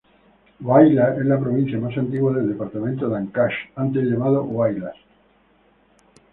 Huaylas es la provincia más antigua del departamento de Ancash, antes llamado Huaylas.